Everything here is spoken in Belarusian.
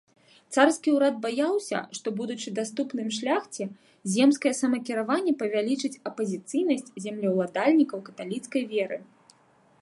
Царскі ўрад баяўся, што, будучы даступным шляхце, земскае самакіраванне павялічыць апазіцыйнасць землеўладальнікаў каталіцкай веры.